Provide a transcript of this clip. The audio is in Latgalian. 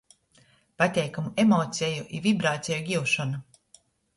Pateikamu emoceju un vibraceju giušona.